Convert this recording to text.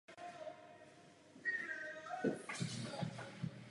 Vystudoval na Jesus College v Cambridge.